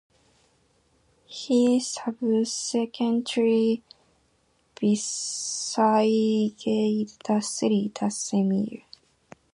He subsequently besieged the city that same year.